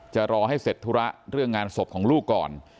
จะรอให้เสร็จธุระเรื่องงานศพของลูกก่อน